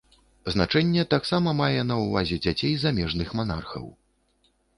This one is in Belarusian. Значэнне таксама мае на ўвазе дзяцей замежных манархаў.